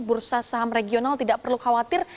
bursa saham regional tidak perlu khawatir